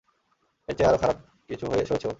এর চেয়ে আরও খারাপ কিছু সয়েছে ও।